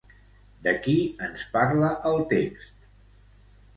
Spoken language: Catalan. De qui ens parla el text?